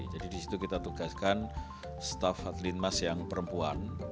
jadi disitu kita tugaskan staff linmas yang perempuan